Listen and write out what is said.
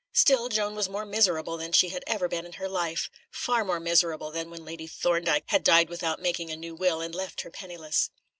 Still, Joan was more miserable than she had ever been in her life far more miserable than when Lady Thorndyke had died without making a new will and left her penniless.